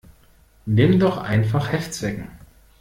Nimm doch einfach Heftzwecken.